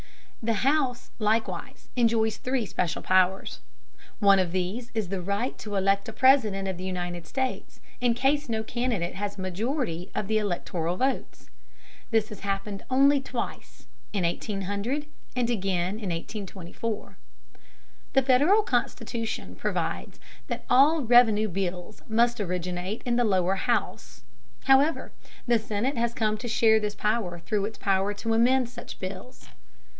The House likewise enjoys three special powers. One of these is the right to elect a President of the United States in case no candidate has a majority of the electoral votes. This has happened only twice, in 1800, and again in 1824. The Federal Constitution provides that all revenue bills must originate in the lower house. However, the Senate has come to share this power through its power to amend such bills.